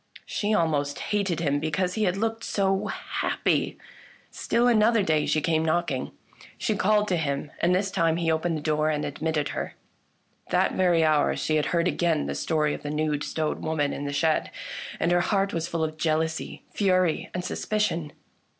She almost hated him because he had looked so happy. Still another day she came knocking. She called to him, and this time he opened the door and admitted her. That very hour she had heard again the story of the nude stone woman in the shed, and her A WORKER IN STONE 145 heart was full of jealousy, fury, and suspicion.